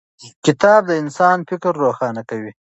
کتاب د انسان فکر روښانه کوي.